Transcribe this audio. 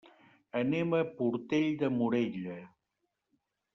Anem a Portell de Morella.